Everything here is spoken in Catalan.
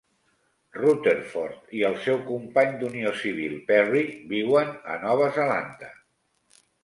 Rutherford i el seu company d'unió civil Perry viuen a Nova Zelanda.